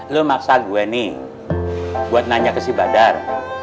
lo maksa gue nih buat nanya ke si badar